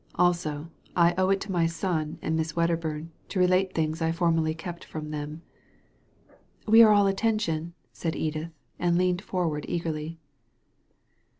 Also, I owe it to my son and Miss Wedderburn to relate things I formerly kept from them." "We are all attention," said Edith, and leaned forward eagerly.